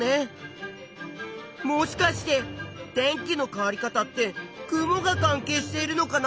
もしかして天気の変わり方って雲が関係しているのかな？